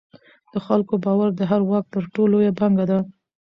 د خلکو باور د هر واک تر ټولو لویه پانګه ده